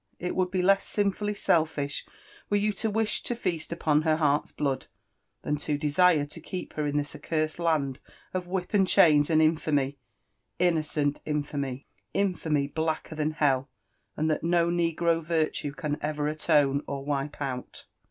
— ft would be less shifuFly seMA Were you to Wi)sh t^ fea^t updti her heart's blood, than' to desire t6 keep her in this accursed land of ^hlp and chains, and infamy — imio^ ftienri'Afaniy I^^liifamfy blafeker than hell, and that nVJ ne^i^ virtue can &m A^V^e of wipe out